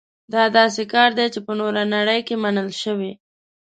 دا داسې کار دی چې په نوره نړۍ کې منل شوی.